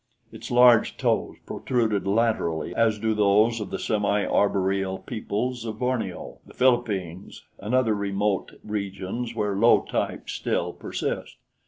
Its large toes protruded laterally as do those of the semiarboreal peoples of Borneo, the Philippines and other remote regions where low types still persist.